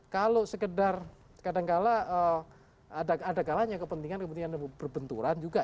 kalau sekedar kadangkala ada kalanya kepentingan kepentingan berbenturan juga